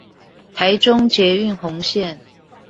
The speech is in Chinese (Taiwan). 臺中捷運紅線